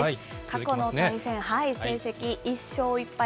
過去の対戦、成績１勝１敗。